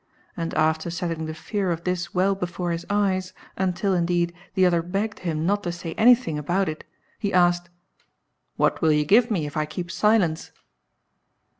And after setting the fear of this well before his eyes, until, indeed, the other begged him not to say anything about it, he asked "What will you give me if I keep silence?"